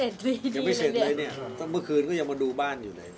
ทำให้สวยแบบไหนเยอะเลยเนี่ย